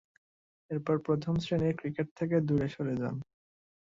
এরপর প্রথম-শ্রেণীর ক্রিকেট থেকে দূরে সরে যান।